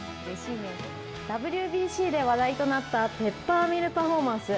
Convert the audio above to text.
ＷＢＣで話題となったペッパーミルパフォーマンス。